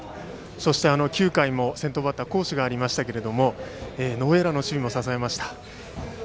そして９回も先頭バッターの好守がありましたがノーエラーの守備も支えました。